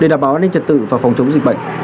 để đảm bảo an ninh trật tự và phòng chống dịch bệnh